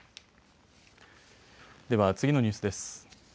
では次のニュースです。